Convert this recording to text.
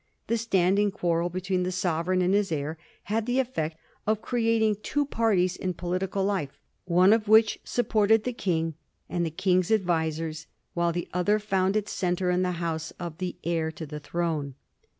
The standing quarrel between the Sovereign and his heir had the effect of creating two parties in political life, one of which supported the King and the King's advisers, while the other found its centre in the house of the Heir to the Throne.